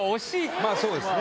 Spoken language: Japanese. まぁそうですね。